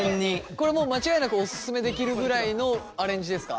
これもう間違いなくおすすめできるぐらいのアレンジですか？